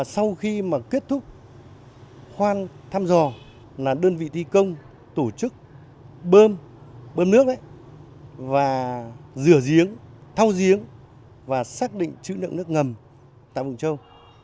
sau khi mà kết thúc khoan thăm dò là đơn vị thi công tổ chức bơm nước đấy và rửa giếng thao giếng và xác định chữ nợ nước ngầm tại phụng châu